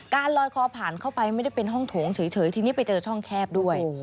ลอยคอผ่านเข้าไปไม่ได้เป็นห้องโถงเฉยทีนี้ไปเจอช่องแคบด้วย